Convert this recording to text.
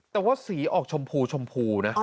แต่ว่าสีออกชมพูนะ